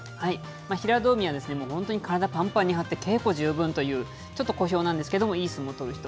平戸海は体ぱんぱんに張って、稽古十分という、ちょっと小兵なんですけれども、いい相撲を取る人。